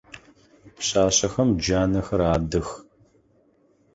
Пшъашъэхэм джанэхэр адых.